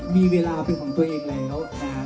มีเวลาเป็นของตัวเองแล้วนะครับ